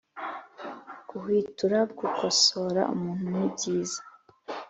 Guhwitura Gukosora umuntu ni byiza